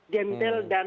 gentel dan mengeluarkan